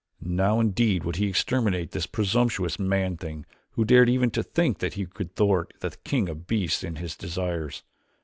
Now indeed would he exterminate this presumptuous man thing who dared even to think that he could thwart the king of beasts in his desires.